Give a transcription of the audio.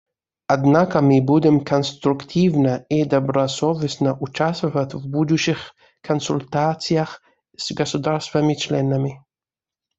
Однако мы будем конструктивно и добросовестно участвовать в будущих консультациях с государствами-членами.